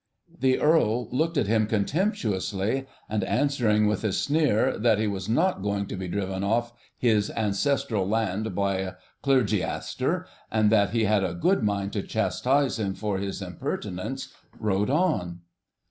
The Earl looked at him contemptuously, and, answering with a sneer that 'he was not going to be driven off his ancestral land by a "clergiaster,"' and that 'he had a good mind to chastise him for his impertinence,' rode on.